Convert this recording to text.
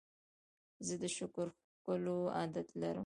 زه د شکر کښلو عادت لرم.